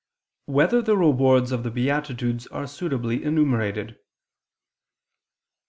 4] Whether the Rewards of the Beatitudes Are Suitably Enumerated?